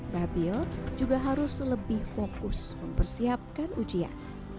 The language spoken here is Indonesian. babil juga harus lebih fokus mempersiapkan ujian